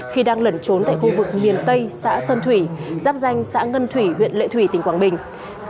khi đang lẩn trốn tại khu vực miền tây xã sơn thủy giáp danh xã ngân thủy huyện lệ thủy tỉnh quảng bình